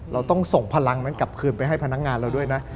เราต้องส่งพลังนั้นกลับคืนไปให้พนักงานเราด้วยนะ